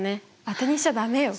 当てにしちゃ駄目よ。